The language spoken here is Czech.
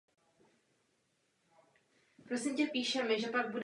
Některé historické struktury musely být kvůli projektu zbourány.